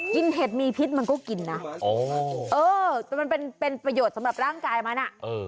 เห็ดมีพิษมันก็กินนะเออแต่มันเป็นประโยชน์สำหรับร่างกายมันอ่ะ